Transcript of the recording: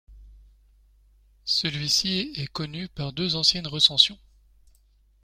Celui-ci est connu par deux anciennes recensions.